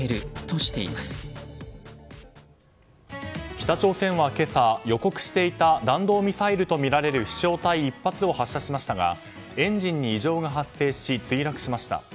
北朝鮮は今朝、予告していた弾道ミサイルとみられる飛翔体１発を発射しましたがエンジンに異常が発生し墜落しました。